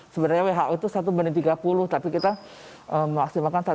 sebenarnya who itu satu banding tiga puluh tapi kita masih makan satu